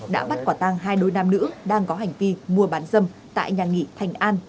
đã bắt quả tang hai đôi nam nữ đang có hành vi mua bán dâm tại nhà nghị thành an